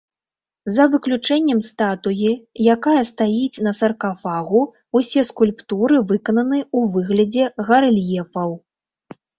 За выключэннем статуі, якая стаіць на саркафагу, усе скульптуры выкананы ў выглядзе гарэльефаў.